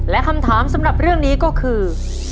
และคำถามสำหรับเรื่องนี้ก็คือ